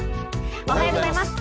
おはようございます。